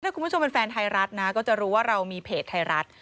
ถ้าคุณผู้ชมเป็นแฟนไทยรัฐนะก็จะรู้ว่าเรามีเพจไทยรัฐ